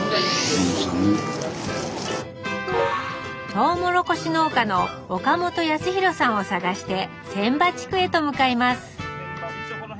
トウモロコシ農家の岡本安広さんを探して千羽地区へと向かいます